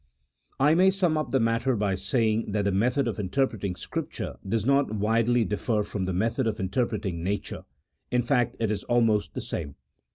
I may sum up the matter by saying that the method of interpreting Scripture does not widely differ from the method of interpreting nature — in fact, it is almost the same.